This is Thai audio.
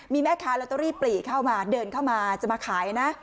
มีแม่ค้าลอตเตอรี่ปลีเข้ามาเดินเข้ามาจะมาขายนะ